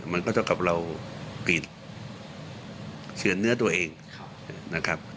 มันก็เท่ากับเรากรีดเฉือนเนื้อตัวเองนะครับ